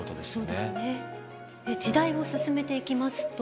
そうですね。時代を進めていきますと。